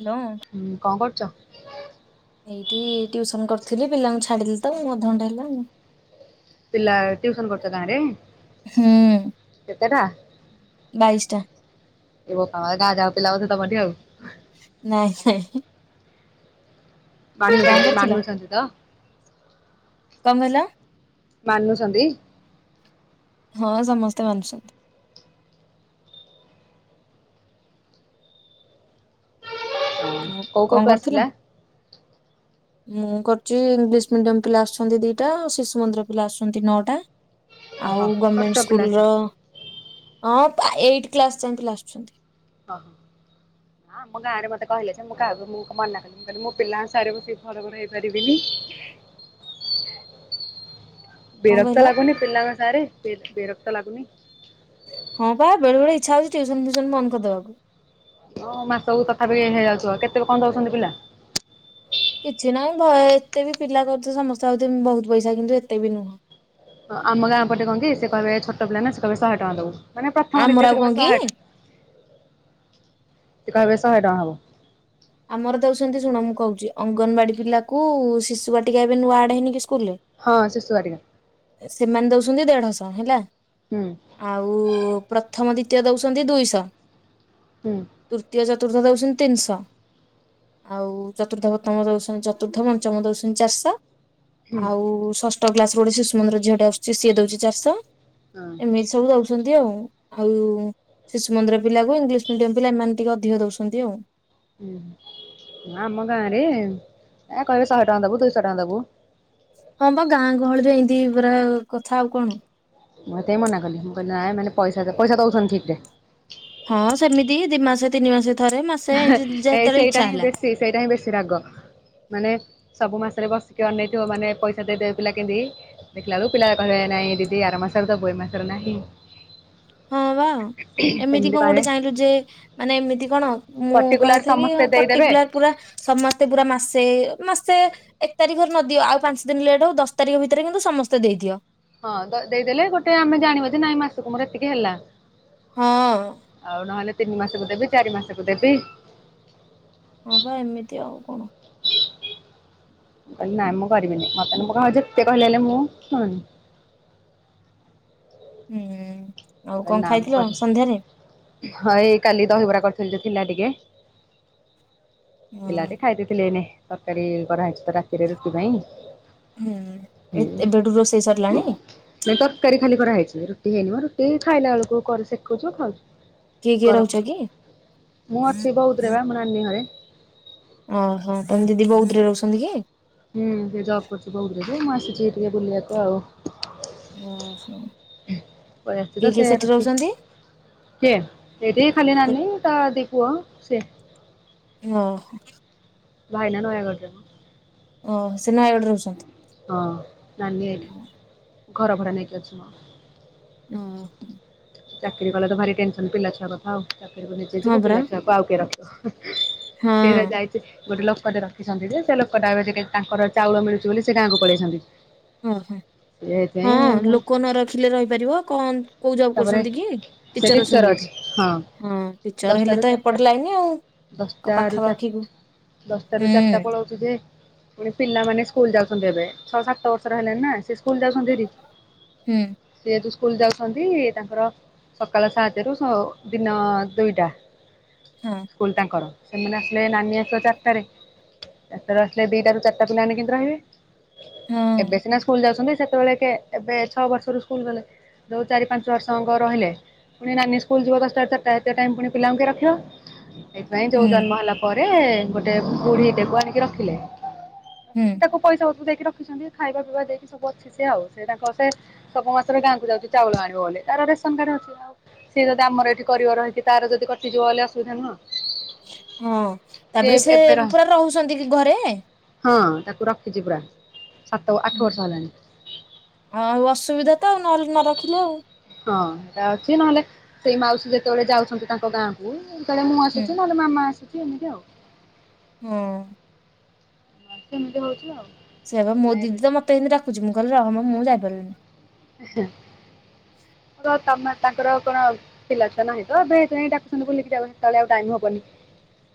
Hello. ହୁଁ କଣ କରୁଚ? ଏଇଠି ଟିଉସନ୍ କରୁଥିଲି ପିଲାଙ୍କୁ ଛାଡିଲି ତ ଅଧଘଣ୍ଟେ ହେଲା ଆଉ। ପିଲା ଟିଉସନ କରୁଚ ଗାଁରେ? ହୁଁ। କେତେଟା? ବାଇଶି ଟା। ଏ ବୋପା ମା ଗାଁ ଯାଁକ ପିଲା ବୋଧେ ତମଠି ଆଉ। ନାଇଁ ନାଇଁ। କଣ ମାନୁଚନ୍ତି କରୁଥିଲ ମାନୁଚନ୍ତି ତ? କଣ କହିଲ? ମାନୁଚନ୍ତି? ହଁ ସମସ୍ତେ ମାନୁଚନ୍ତି। ଆଉ କୋଉ କୋଉ କଣ କ୍ଲାସ କରୁଥିଲ? ପିଲା? ମୁଁ କରୁଚି ଇଂଲିଶ ମିଡିୟମ ପିଲା ଆସୁଚନ୍ତି ଦିଟା ଆଉ ଶିଶୁ ମନ୍ଦିର ପିଲା ଆସୁଚନ୍ତି ନଅଟା। ଓହୋ ଆଉ ଛୋଟ ଗମେଣ୍ଟ ପିଲା ସବୁ ସ୍କୁଲର ହଁ ପା ଏଇଟି କ୍ଲାସ ଯାଏଁ ପିଲା ଆସୁଚନ୍ତି। ଓହୋ ନାଁ ଗାଁରେ ମତେ କହିଲେ ଯେ ମୁଁ କାହାକୁ ମୁଁ ମନା କିଲି। ମୁଁ କହିଲି ମୋ ପିଲାଙ୍କୁ ଛାଡି [unintelligible] ଘରେ ପଢେଇ ପାରିବିନି। କଣ କହିଲ? ବିରକ୍ତ ଲାଗୁନି ପିଲାଙ୍କ ସାଙ୍ଗରେ ବି-ବିରକ୍ତ ଲାଗୁନି? ହଁ ପା ବେଳେ ବେଳେ ଇଚ୍ଛା ହେଉଚି ଟିଉସନ୍ ଫିଉସନ୍ ବନ୍ଦ କରିଦବାକୁ। ଅ ମାସକୁ ତଥାପି ହେଇଯାଉଥିବ କେତେ କଣ ଦୋଉଚନ୍ତି ପିଲା? କିଛି ନାହିଁ ଭୟେ ଏତେ ବି ପିଲା କରୁଦୋଉଚ [unintelligible] ଦୁସା ହୋଉଚି ମୁଁ ବୋହୁତ ପଇଷା କିନ୍ତୁ ଏତେ ବି ନୁହଁ। ଆମ ଗାଁ ପଟେ କଣ କି ସେ କହିବ ଛୋଟ ପିଲା ନା ସେ କେବେ ଶହେ ଟଙ୍କା ଦୋବୁ ମାନେ ପ୍ରଥମ ଆମର ଦ୍ଵିତୀୟ ଆଉ ସେ କଣ କହିବ ଶହେ କି ଟଙ୍କା ସେ କହିବେ ଶହେ ଟଙ୍କା ହବ। ଆମର ଦୋଉଚନ୍ତି ଶୁଣ ମୁଁ କୋହୁଚି ଅଙ୍ଗନମାଡି ପିଲାକୁ ଶିଶୁବାଟିକା ଏବେ ନୂଆ ଆଡ ହେଇନି କି ସ୍କୁଲ ରେ। ହଁ ଶିଶୁବାଟିକା। ସେମାନେ ଦୋଉଚନ୍ତି ଦେଢଶହ ହେଲା। ହୁଁ। ଆଉ ପ୍ରଥମ, ଦ୍ଵିତୀୟ ଦୋଉଚନ୍ତି ଦୁଇଶ‌ହ। ହୁଁ। ତୃତୀୟ, ଚତୁର୍ଥ ଦେଉଚନ୍ତି ତିନିଶହ। ଆଉ ଚତୁର୍ଥ, ପ୍ର‌ଥମ, ଚତୁର୍ଥ, ପଞ୍ଚମ ଦୋଉଚନ୍ତି ହୁଁ ଚାରିଶହ ଆଉ ଷ ଷ୍ଠ କ୍ଲାସ୍ ରୁ ଗୋଟେ ଶିଶୁମନ୍ଦିର ଝିଅଟେ ଆସୁଚି ସିଏ ଦୋଉଚି ଚାରିଶହ ହଁ ଏମିତି ସବୁ ଦୋଉ ଦଉଛନ୍ତି ଆଉ। ଆଉ ଶିଶୁ ମନ୍ଦିର ପିଲାକୁ ଇଂଲିଶ ମିଡ଼ିୟମ ପିଲା ଏମାନେ ଟିକେ ଅଧିକ ଦଉଛନ୍ତି ଆଉ। ଉୁହୁଁ ଆମ ଗାଁରେ ଏ କହିବେ ଶହେ ଟଙ୍କା ଦବୁ, ଦୁଇଶହ ଟଙ୍କା ଦବୁ। ହଁ ବା ଗାଁ ଗହଳିରେ ଏମିତି ପୁରା କଥା ଆଉ କଣ। ମୋତେ ବି ମନା କଲେ, ମୁଁ କହିଲି ନାଇ ମାନେ ପଇସା ପଇସା ଦଉଛନ୍ତି ଠିକ ରେ? ହଁ ସେମିତି ଦି ମାସେ ତିନି ମାସେ ଥରେ ମାସେ ଏମିତି ଏ ଯେତେବେଳେ ସେଇଟା ଇଚ୍ଛା ହିଁ ହେଲା ବେଶୀ ସେଇଟା ହିଁ ବେଶୀ ରାଗ। ମାନେ ସବୁ ମାସରେ ବସିକି ଅନେଇଥିବ ମାନେ ପଇସା ଦେଇଦେବେ ପିଲା କେମିତିି। ଦେଖିଲା ବେଳକୁ ପିଲା କହିବେ ନାଇଁ ଦିଦି ଆର ମାସରେ ଦବୁ ଏ ମାସରେ ନାହିଁ। ହଁ ବା ଏମିତି କଣ ଗୋଟେ ଚାହିଁଲୁ ଯେ ମାନେ ଏମିତି କଣ। ମୁଁ ପର୍ଟିକୁଲାର କଥା କି ସମସ୍ତେ ଦେଇଦେବେ ପର୍ଟିକୁଲାର ପୁରା ସମସ୍ତେ ପୁରା ମାସେ ମାସେ ଏକ ତାରିଖରେ ନଦିଅ ଆଉ ପାଞ୍ଚ ଦିନ ଲେଟ୍ ହଉ ଦଶ ତାରିଖ ଭିତରେ କିନ୍ତୁ ସମସ୍ତେ ଦେଇଦିଅ। ହଁ ଦେଇଦେଲେ ଗୋଟେ ଆମେ ଜାଣିବା ଯେ ନାଇଁ ମାସକୁ ମୋର ଏତିକି ହେଲା। ହଁ ଆଉ ନହେଲେ ତିନି ମାସକୁ ଦେବେ ଚାରି ମାସକୁ ଦେବେ। ହଁ ବା ଏମିତି ଆଉ କଣ। କହିଲି ନାଇଁ ମୁଁ କରିବିନି ମତେ ମୁଁ କ ଯେତେ କହିଲେ ହେଲେ ମୁଁ ଶୁଣୁନି। ହୁଁ। ଆଉ କଣ ନା ମୁଁ ଖାଇଥିଲ କରିବି ସନ୍ଧ୍ୟାରେ ନାହିଁ। ହଇ କାଲି ଦହିବରା କରିଥିଲି ଯେ ଥିଲା ଟିକେ। ହୁଁ ପିଲାଟି ଖାଇ ଦେଇଥିଲେ ଏନେ ତରକାରୀ କରାହେଇଛି ତ ରାତିରେ ରୁଟି ପାଇଁ। ହୁଁ। ଏଇ ଏତେ ଏବେଠୁ ରୋଷେଇ ସରିଲାଣି? ନାଇଁ ତରକାରୀ ଖାଲି କରାହେଇଛି ରୁଟି ହେଇନି ବା। ରୁଟି ଖାଇଲା ବେଳକୁ ସେକୁଛୁ କିଏ ଖାଉଛୁ। କିଏ ରହୁଛ ଗରମ। କି? ମୁଁ ଅଛି ବୌଧ ରେ ବା ମ ନାନୀ ଘରେ। ଓହୋ ତମେ ଦିଦି ବୌଧ ରେ ରହୁଛନ୍ତି କି। ହୁଁ ସେ ଜବ୍ କରୁଛି ବୌଧ ରେ, ମୁଁ ଆସିଛି ଟିକେ ବୁଲିବାକୁ ଆଉ। ଓ ପଳେଇ କିଏ କିଏ ସେଠି ରହୁଛନ୍ତି? କେଏ ସେଠି ଖାଲି ନାନୀ ତା ଦି ପୁଅ ସେ। ଓହୋ। ଭାଇନା ନୟାଗଡ଼ରେ। ଓ ସେ ନୟାଗଡ଼ରେ ରହୁଛନ୍ତି? ହଁ ନାନି ଏଇଠି, ଘର ଭଡ଼ା ନେଇକି ଅଛି। ଅ ହଁ। ଚାକିରି କଲେ ତ ଭାରି ଟେନସନ୍ ପିଲାଛୁଆ କଥା ଆଉ, ଚାକିରିକୁ ନିଜେ ହଁ ଯିବୁ ପରା ପିଲା ଛୁଆକୁ ଆଉ କିଏ ରଖିବ। ସେ ହଁ ପରା ଯାଇଛି। ଗୋଟେ ଲୋକଟେ ରଖିଛନ୍ତି ଯେ, ସେ ଲୋକଟା ଏବେ ଟିକେ ତାଙ୍କର ଚାଉଳ ମିଳୁଛି ବୋଲି ସେ ଗାଁକୁ ପଳେଇଛନ୍ତି। ଓହୋ ହଁ ସେଇଥିପାଇଁ ମୁଁ ଲୋକ ନ ରଖିଲେ ରହିପାରିବ କଣ କୋଉ ଜବ୍ ତାପରେ କରୁଛନ୍ତି କି? ଟିଚର ଅଛନ୍ତି ବୋଧେ? ହଁ ଟିଚର ହେଲେ ଦଶଟାରୁ ତ ଚାରିଟା ଏପଟେ ଲାଇନି ଆଉ ଦଶଟାରୁ ଚାର ପାଖାପାଖି ହୁଁ ଦଶଟାରୁ ଚାରିଟା ପଳାଉଛୁ ଯେ ପୁଣି ପିଲାମାନେ ସ୍କୁଲ ଯାଉଛନ୍ତି ଏବେ। ଛ ସାତ ବର୍ଷର ହେଲେଣି ନା ସ୍ଲ ଯାଉଛନ୍ତି ହେରି, ହୁଁ ସିଏ ତ ସ୍କୁଲ ଯାଉଛନ୍ତି ତାଙ୍କର ସକାଳ ସାତ ରୁ ଦିନ ଦୁଇଟା। ହଁ। ସ୍କୁଲ ତାଙ୍କର, ସେମାନେ ଆସିଲେ ନାନୀ ଆସିଲେ ନାନୀ ହେରିକା ଚାରିଟାରେ। ତାରେ ଆସିଲ ଦିଟା ର ଚାରିଟା ପିଲା ମାନେ କେମିତି ରହିବେ? ହଁ ଏବେ ସିନା ସ୍କୁଲ ଯାଉଛନ୍ତି, ସେତେବେଳେ କେ ଏବେ ଛଅ ବର୍ଷରୁ ସ୍କୁଲ ଗଲେ। ଯୋଉ ଚାରି ପାଞ୍ଚ ବର୍ଷଙ୍କ ରହିଲେ। ପୁଣି ନାନୀ ସ୍କୁଲ ଯିବ ଦଶଟା ରୁ ଚାରିଟା ଏତେ ଟାଇମ୍ ପୁଣି ପିଲାଙ୍କୁ କିଏ ରଖିବ? ସେଇଥିପାଇଁ ଯୋଉ ହୁଁ ଜନ୍ମ ହେଲା ପରେ ଗୋଟେ ବୁଢୀ ଦେବ ଆଣିକି ରଖିଲେ। ହୁଁ ତାକୁ ପଇସା ସବୁ ଦେଇକି ରଖିଛନ୍ତି ଖାଇବା ପିଇବା ଦେଇକି ସବୁ ଅଛି ସ ଆଉ ସେ ତାଙ୍କ ସେ ସବୁ ମାସରେ ଗାଁକୁ ଯାଉଛି ଚାଉଳ ଆଣିବ ବୋଲି ତାର ରେସନକାର୍ଡ ଅଛି ଆଉ ସେ ଯଦି ଆମର ଏଠି କରିବ ରହିକି ତାର ଯଦି କଟିଯିବ ବୋଲି ଅସୁବିଧା ନୁହଁ। ହଁ ତାପରେ ସେ ଏବେ ରହ ପୁରା ରହୁଛନ୍ତି କି ଘରେ? ହଁ ତାକୁ ରଖିଛି ପୁରା ସାତ ଆଠ ବର୍ଷ ହେଲାଣି। ହଁ ଆଉ ଅସୁବିଧା ତ ଆଉ ନହେଲେ ନ ରଖିଲେ ଆଉ ହଁ ସେଇଟା ଅଛି ନହେଲେ ସେଇ ମାଉସୀ ଯେତେବେଳେ ଯାଉଛନ୍ତି ତାଙ୍କ ଗାଁକୁ ସେତେବେଳେ ମୁଁ ହୁଁ ଆସୁଛି ନ ମାମା ଆସୁଛି ଏମିତି ଆଉ ହଁ। ସେମିତି ହଉଛି ଆଉ ସେୟାପା ମୋ ସେଥିପାଇଁ ଏବେ ଦିଦି ତ ମତେ ଏମିତି ଡ଼ାକୁଛି ରହମ ମୁଁ ଯାଇପାରିବିନି। ତମେ ତାଙ୍କର କଣ? ପିଲା ଛୁଆ ନାହିଁ ତ ଏବେ ଏଇଥି ପାଇଁ ଡାକୁଛନ୍ତି ବୁଲିକି ଯାଅ ଆଉ ସେତେବେଳେ ଟାଇମ ହବନି।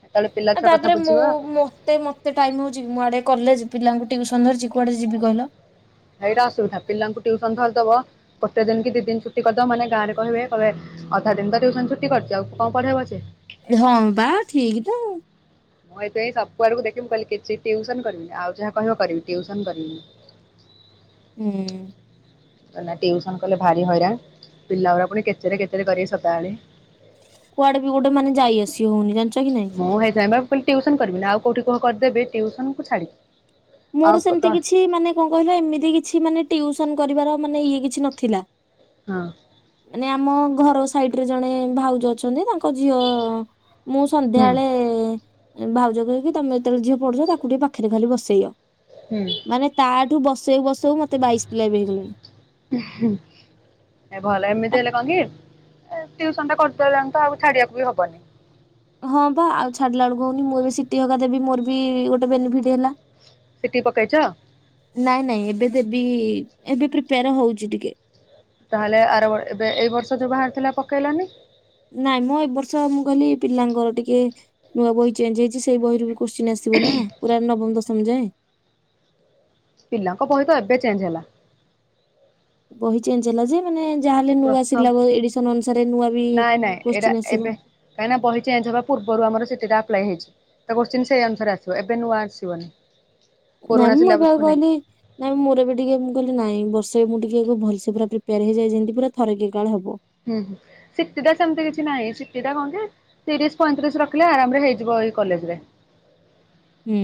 ସେତେବେଳେ ପିଲା ଛୁଆ କଥା ତାପରେ ମୁଁ ବୁଝିବା ମତେ ମତେ ମତେ ଟାଇମ୍ ହଉଛି ମୁଁ ଆଡେ କଲେଜ ପିଲାଙ୍କୁ ଟିଉସନ ଧରିଛି କୁଆଡେ ଯିବି କହିଲ? ଏଇଟା ଅସୁବିଧା ପିଲାଙ୍କୁ ଟିଉସନ ଧରିଦବ ଗୋଟେ ଦିନ କି ଦି ଦିନ ଛୁଟି କରିଦବ ମାନ ଗାଁରେ କହିବେ କହିବେ ଅଧା ଦିନି ତ ଟ୍ୟୁସନ ଛୁଟି କରିଛି ଆଉ କଣ ପଢେଇବ ସେ? ହଁ ବା ଠିକ ତ ଆଉ ମୁଁ ଏବେ ଏଇ ସବୁଆଡକୁ ଦେଖିବି କହିଲ କିଛି ଟିଉସନ କରିବିନି ଆଉ ଯାହା କହିବ କରିବି ଟିଉସନ କରିବିନି। ହୁଁ। ଗଲା ଟିଉସନ୍ କଲେ ଭାରି ହଇରାଣ ପିଲାଗୁଡା ପୁଣି କେଚେରେ କେଚେରେ କରିବେ ସଦାବେଳେ। କୁଆଡେ ବି ଗୋଟେ ମାନେ ଯାଇ ଆସି ହଉନି ଜାଣିଛ କି ନାଇଁ? ମୁଁ ହେଇଥ ପାଇଁ ବା କି ଟ୍ୟଉସନ କରିବିନି ଆଉ କଉଠି କହ କରିଦେବି ଟିଉସନକୁ ଛାଡ଼ିକି। ମୋର ସେମିତି କିଛି ମାନେ କଣ କହିଲ ଏମିତି କିଛି ମାନେ ଟିଉସନ କରିବାର ମାନେ ଇଏ କିଛି ନଥିଲା। ହଁ। ମାନେ ଆମ ଘର ସାଇଡରେ ଜଣେ ଭାଉଜ ଅଛନ୍ତି ତାଙ୍କ ଝିଅ ମୁଁ ହୁଁ ସନ୍ଧ୍ୟାବେଳେ ଭାଉଜ କହେ କି ତମେ ଯେତେବେଳେ ଝିଅ ପଡୁଛ ତାକୁ ଟିକେ ପାଖରେ ଖାଲି ବସେଇବ। ହୁଁ। ମାନେ ତାଠୁ ବସେଇ ବସେଉ ମତେ ବାଇଶ ପିଲା ବି ହେଇଗଲେଣି। ହୁଁ। ଏ ଭଲ ଏମିତି ହେଲେ କଣ କିି ଟିଉସନଟା କରିଦେଲାଣି ତ ଆଉ ଛାଡିବାକୁ ବି ହବନି। ହଁ ବା ଆଉ ଛାଡିଲା ବେଳକୁ ହଉନି ମୁଁ ଏବେ ସିଟି ହଗା ଦେବି ମୋର ବି ଗୋଟେ ବେନିଫିଟ ହେଲା। ସିଟି ପକେଇଛ। ନାଇଁ ନାଇଁ ଏବେ ଦେବି ଏବେ ପ୍ରିପେୟାର ହଉଛି ଟିକେ। ତାହେଲେ ଆର ବ ଏବେ ଏଇ ବର୍ଷ ଯୋଉ ବାହାରିଥିଲା ପକେଇଲନି। ନାଇଁ ମୁଁ ଏ ବର୍ଷ ମୁଁ କହିଲି ପିଲାଙ୍କର ଟିକେ ନୂଆ ବହି ଚେଞ୍ଜ ହେଇଛି ସେଇ ବହିରୁ କୋଶ୍ଚିିନ ଆସିବ ନା ପୁରା ନବମ ଦଶମ ଯାଏଁ। ପିଲାଙ୍କ ବହି ତ ଏବେ ଚେଞ୍ଜ ହେଲା। ବହି ଚେଞ୍ଜ ହେଲା ଯେ ମାନେ ଯାହାହଲେ ନୂଆ ପ୍ରଥମ ସିଲାବ ଏଡିସନ ଅନୁସାରେ ନୂଆ ବି କୋଶ୍ଚିନ୍ ଆସିବ। କାହିଁ ନା ବହି ଚେଞ୍ଜ ହେବା ପୂର୍ବରୁ ଆମ ସିଟି ଟା ଆପ୍ଲାଏ ହେଇଛି। ତ କୋଶ୍ଚିନ୍ ସେଇ ଅନୁସାରେ ଆସିବ ଏବେ ନୂଆ ଆସିବନି। ନାଇଁମ ପୁରୁଣା ମୁଁ ଏବେ ଆଉ ସିଲାବସକୁ ନେଇ କହିଲି? ନାଇଁ ମୋର ଏବେ ଟିକେ ମୁଁ କହିଲି ନାଇଁ ବର୍ଷେ ମୁଁ ଟିକେ ଭଲସେ ପା ପ୍ରିପେୟାର ହେଇଯାଏ ଯେମିତି ପୁରା ଥରକେ କାଳେ ହବ। ହୁଁ ହୁଁ ସିଟି ଦା ସେମିତି କିଛି ନାହିଁ ସିଟି ଦା କହନ୍ତି ତିରିଶ ପଇଁତିରିଶ ରଖିଲେ ଆରାମରେ ହେଇଯିବ ଏଇ କଲେଜରେ। ହୁଁ।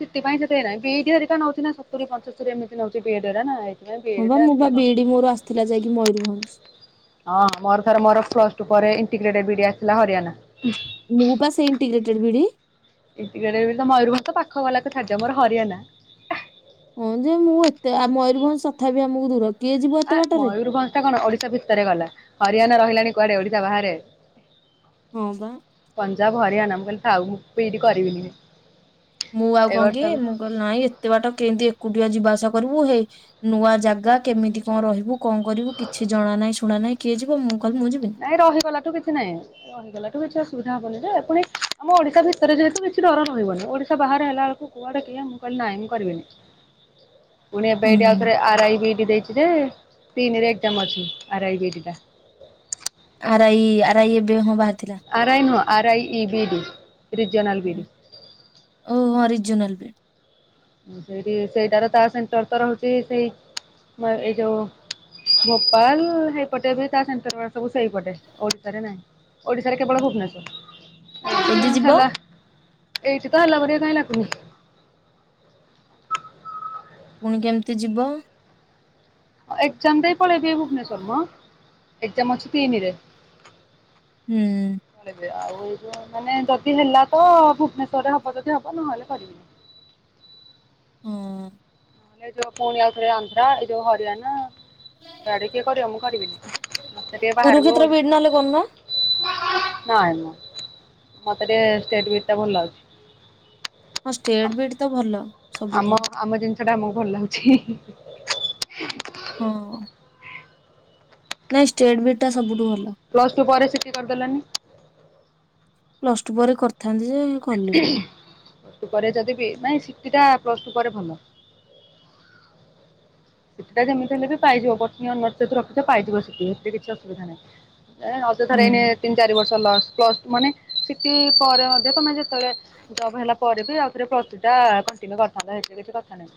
ସିଟି ପାଇଁ ସେ ନାଇଁ ବିଏଡ ହେରିକା ନଉଛି ନା ସତୁରି ପଞ୍ଚସ୍ତରିୀ ଏମିତି ବିଏଡ୍ ନଉଛି ହରେ ନା। ଏଇଥିପାଇଁ ହଁ ବିଏଡ୍ ବା ଟା ମୁଁ ବା ଟିକେ କଷ୍ଟ। ବିଇଡି ମୋର ଆସିଥିଲା ଯାଇକି ମୟୂରଭଞ୍ଜ। ହଁ ମୋର ଥରେ ମୋର ପ୍ଲସ ଟୁ ପରେ ଇଣ୍ଟିଗ୍ରେଟେଡ ବିଇଡି ଆସିଥିଲା ହରିୟାଣା। ମୁଁ ବା ସେଇ ଇଣ୍ଟିଗ୍ରେଟେଡ ବିଇଡ଼ି। ଏଠିରେ ତ ମୟୂରଭଞ୍ଜ ତ ପାଖ ଗଲାକୁ ମୋର ହରିୟାଣା। ହଁ ଯେ ମୁଁ ଏତେ ଆ ମୟୂରଭଞ୍ଜ ତଥାପି ଆମୁକୁ ଦୂର। କିଏ ଯିବ ଆ ଏତେ ବାଟରେ ମୟୂରଭଞ୍ଜ ଟା କଣ ଓଡିଶା ଭିତରେ ଗଲା ହରିୟାଣା ରହିଲାଣି କୁଆଡେ ଓଡିଶା ବାହାରେ। ହଁ ବା। ପଞ୍ଜାବ ହରିୟାଣା ମୁଁ କହିଲି ଥାଉ ମୁଁ ପିଇଡି କରିବିନି। ମୁଁ ଆଉ ଏ କଣ ବର୍ଷ କି ମୁଁ କଲି ନାଇଁ ଏତେ ବାଟ କେମିତି ଏକୁଟିଆ ଯିବା ଆସିବା କରିବୁ ହେ ନୂଆଁ ଜାଗା କେମିତି କଣ ରହିବୁ କଣ କରିବୁ କିଛି ଜଣା ନାହିଁ ଶୁଣା ନାହିଁ କିଏ ଯିବ ମୁଁ କହିଲି ମୁଁ ଯିବିନି। ନାଇଁ ରହିଗଲା ଠୁ କିଛି ନାହିଁ। ରହିଗଲା ଠୁ କିଛି ଅସୁବିଧା ହବନି ଯେ ପୁଣି ଆମ ଓଡିଶା ଭିତରେ ଯେହେତୁ କିଛି ଡର ରହିବନି ଓଡିଶା ବାହାରେ ହେଲା ବେଳକୁ କୁଆଡେ କିଏ ମୁଁ କହିଲି ନାଇଁ ମୁଁ କରିବିନି। ପୁଣି ଏବେ ଏଇଠି ଆଉ ହୁଁ ଥରେ ଆର୍ ଆଇ ବିଇଡି ଦେଇଛି ଯେ ତିନିରେ ଏଜ୍ଜାମ୍ ଅଛି ଆରାଇ ବିଇଡି ଟା। ଆରାଇ ଆରାଇ ଏବେ ହଁ ବାହାରିଥିଲା। ଆରାଇ ନୁହଁ ଆରାଇ E B D regional B D. ଓହୋ ହରିଜୁନାଲ୍ ବିଡି। ଉଁ ସେଇଠି ସେଇଟାର ତା ସେଣ୍ଟର ତ ରହୁଛି ସେଇ ମ ଏଇ ଯୋଉ ଭୋପାଲ ହେଇପଟେ ବି ତା ସେଣ୍ଟର ଗୁଡା ସବୁ ସେଇପଟେ ଓଡିଶାରେ ନାହିଁ। ଓଡିଶାରେ କେବଳ ଏଦି ଭୁବନେଶ୍ୱର ଯିବ ହେଲା। ଏଇଠି ତ ହେଲା ପରିକା କାଇଁ ଲାଗୁନି। ପୁଣି କେମିତି ଯିବ? ହଁ ଏଜ୍ଜାମ୍ ଦେଇ ପଳେଇବି ଏଇ ଭୁବନେଶ୍ୱର ମ ଏଜ୍ଜାମ୍ ଅଛି ତିନିରେ। ହୁଁ। ପଳେଇବି ଆଉ ଏଇ ଯୋଉ ମାନେ ଯଦି ହେଲା ତ ଭୁବନେଶ୍ୱରରେ ହବ ଯଦି ହବ ନହେଲେ କରିବିନି। ହଁ। ମାନେ ଏ ଯଉ ପୁଣି ଆଉଥରେ ଅନ୍ଦ୍ରା ଏ ଯଉ ହରିଆନା ଏଆଡେ କିଏ କରିବ ମୁଁ କରିବିନି ମତେ ଟିକେ ବାହାରକୁ କୁରୁକ୍ଷେତ୍ର ବିଡି ନହେଲେ କରୁନ ଓଡ଼ିଶା ନାଇଁ ମ ମତେ ଟିକେ ଷ୍ଟେଟ୍ ବି ଟା ଭଲ ଲାଗୁଛି। ହଁ ଷ୍ଟେଟ୍ ବିଟ ତ ଭଲ। ସବୁଠୁ ଆମ ଆମ ଜିନିଷ ଟା ଆମକୁ ଭଲ ଲାଗୁଛି ହି ହି ହଁ। ନାଇଁ ଷ୍ଟେଟ୍ ବିଟ୍ ଟା ସବୁଠୁ ଭ ପ୍ଲସ୍ ଟୁ ପରେ ସିଟି କରିଦେଲନି? ପ୍ଲସ୍ ଟୁ ପରେ କରିଥାନ୍ତି ଯେ ‌ହୁଁ କଲିନି। ହୁଁ ପ୍ଲସ୍ ଟୁ ପରେ ଯଦି ବିି ନାଇଁ ସିଟି ଟା ପ୍ଲସ୍ ଟୁ ପରେ ଭଲ। ସିଟି ଟା ଯେମିତି ହେଲେ ବି ପାଇଯିବ [unintelligible] ପାଇଯିବ ସିଟି ଏଥିରେ କିଛି ଅସୁବିଧା ନାହିଁ। ଏଁ ଅଯଥା ରେ ହୁଁ। ଏଇନେ ତିନି ଚାରି ବର୍ଷ ଲସ୍ ପ୍ଲସ୍ ମାନେ ସିଟି ପରେ ମଧ୍ୟ ତମେ ଯେତେବେଳେ ଜବ୍ ହେଲା ପରେ ବି ଆଉରେ ପ୍ଲସ ଥ୍ରି ଟା କଣ୍ଟିନ୍ୟୁ କରିଥାନ୍ତ ହେଥିରେ କିଛି କଥା ନାହିଁ।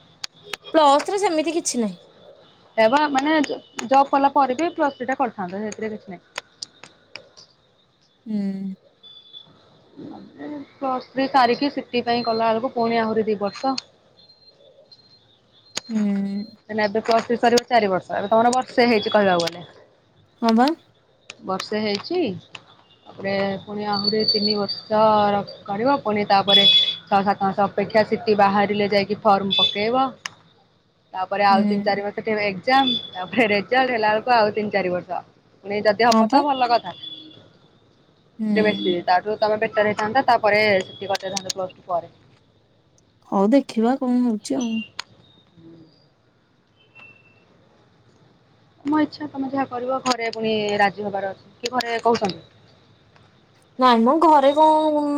ପ୍ଲସ୍ ଥ୍ରି ସେମିତି କିଛି ନାଇଁ। ସେୟା ବା ମାନେ ଜ ଜବ୍ କଲା ପରେ ବି ପ୍ଲସ ଥ୍ରି ଟା କରିଥାନ୍ତ ସେଥିରେ କିଛି ନାଇଁ। ହୁଁ। ମାନେ ପ୍ଲସ ଥ୍ରି ସାରିକି ସିଟି ପାଇଁ କଲା ଆଳକୁ ପୁଣି ଆହୁରି ଦି ବର୍ଷ। ହୁଁ। ହେଲା ଏବେ ପ୍ଲସ ଥ୍ରି ସରିବ ଚାରି ବର୍ଷ ଏବେ ତମର ବର୍ଷେ ହେଇଛି କହିବାକୁ ଗଲେ। ହଁ ବା। ବର୍ଷେ ହେଇଚି ତାପରେ ପୁଣି ଆହୁରି ତିନି ବର୍ଷ ର କରିବ ପୁଣି ତାପରେ ଛଅ ସାତ ମାସ ଅପେକ୍ଷା ସିଟିି ବାହାରିଲେ ଯାଇକି ଫର୍ମ ପକେଇବ। ତାପରେ ଆଉ ହୁଁ ତିନ ଚାରି ମା ତ କେବେ ଏଜ୍ଜାମ ତାପରେ ରେଜଲ୍ଟ ହେଲା ଆଳକୁ ଆଉ ତିନି ଚାରି ବର୍ଷ ପୁଣି ଯ ଯଦି ହଁ ହବ ପା। ତ ଭଲ କଥା କି ବେସି ହୁଁ। ତାଠୁ ତମେ ବେଟର ହେଇଥାନ୍ତା ତାପରେ ସିଟି କରିଦେଇଥାନ୍ତ ପ୍ଲସ ଟୁ ପରେ। ହୋଉ ଦେଖିବା କଣ ହଉଚି ଆଉ। ତମ ଇଚ୍ଛା ତମେ ଯାହା କରିବ ଘରେ ପୁଣି ରାଜି ହବାର ଅଛି କି ଘରେ କହୁଚନ୍ତି। ନାଇଁ ମ ଘରେ କ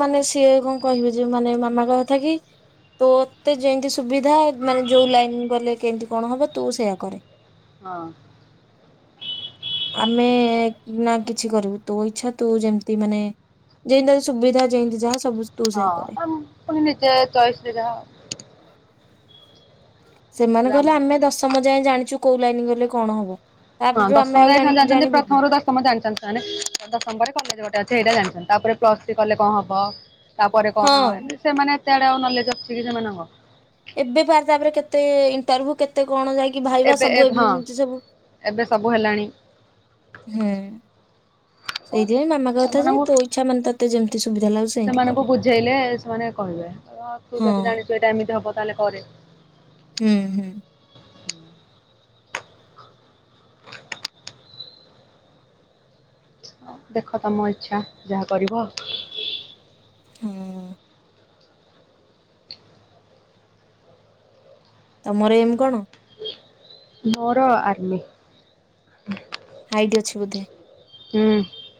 ମାନେ ସିଏ କଣ କହିବେ ଯେ ମାନେ ମାମା କହିବା କଥା କି ତୋତେ ଯେମିତି ସୁବିଧା ମାନେ ଯୋଉ ଲାଇନ ଗଲେ କେମିତି କଣ ହବ ତୁ ସେଇୟା କରେ। ହଁ। ଆମେ ନା କିଛି କରିବୁ। ତୋ ଇଛା ତୁ ଯେମିତି ମାନେ ଯେନ୍ତି ତତେ ସୁବିଧା ଯେନ୍ତି ଯାହା ସବୁ ତୁ ହଁ ସେୟା କରେ। ଆମ ପୁଣି ନିଜେ ଚଏସ ରେ ଯାହା। ସେମାନେ ରାମ କହିଲେ ଆମେ ଦଶମ ଯାଏ ଜାଣିଚୁ କୋଉ ଲାଇନ ଗଲେ କଣ ହବ। ହଁ ତାପରଠୁ ଆମେ ଦଶମ ଆଉ ଯାଏଁ ଜାଣି ସେମାନେ ଜାଣିଛନ୍ତି। ଜାଣିବୁ କି ପ୍ରଥମରୁ ଦଶ ଶମ ଜାଣିଛନ୍ତି ସେମାନେ। ଦଶମ ପରେ କଲେଜ ଗୋଟେ ଅଛି ହେଇଟା ଜାଣିଛନ୍ତି। ତାପରେ ପ୍ଲସ ଥ୍ରି କଲେ କଣ ହବ ତାପରେ କଣ ହଁ। ଏମତି ସେମାନେ ଏତେ ଆଡେ ଆଉ ନଲେଜ ଅଛି କି ସେମାନଙ୍କ। ଏବେ ବାର ତାପରେ କେତେ ଇଣ୍ଟରଭ୍ୟୁ କେ ଏତେ କଣ ଯାଇକି ଭାଇବା ସବୁ ଏବେ ବୁ ଏମିତି ସବୁ ଏବେ ସବୁ ହେଲାଣି ହୁଁ। ସେଇଥିପାଇଁ ମାମା କହିବା କଥା ଯେ ସେମାନଙ୍କୁ ତୋ ଇଚ୍ଛା ମାନେ ତତେ ଯେମିତି ସୁବିଧା ଲାଗୁଚି ସେମିତି କରେ। ଅ ତୁ ହଁ। ଯଦି ଜାଣିଛୁ ଏଟା ଏମିତି ହବ ତାହେଲେ କରେ। ହୁଁ ହୁଁ। ଦେଖ ତମ ଇଚ୍ଛା ଯାହା କରିବ। ହୁଁ। ତମର ଏମ କଣ? ମୋର ଆର୍ମି। ହାଇଟି ଅଛି ବୋଧେ। ହୁଁ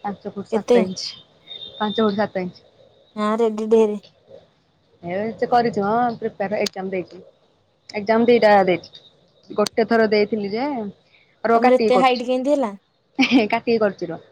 ପାଞ୍ଚ ପୁଟ କେତେ? ସାତ ଇଞ୍ଚ ପାଞ୍ଚ ପୁଟ ସାତ ଇଞ୍ଚ। ହଁ ରେଡ଼ି ଢେରେ। ଏ କରିଚି ହଁ ପ୍ରିପାର ଏଗଜାମ ଦେଇଚି। ଏଗଜାମ ଦିଟା ଦେଇଚି ଗୋଟେ ଥର ଦେଇଥିଲି ଯେ ରୁହ ତମର କାଟିକି ଏତେ ହାଇଟ କରୁଚି କେମିତି ହେଲା? ହେ କାଟିିକି କରୁଛି ରୁହ।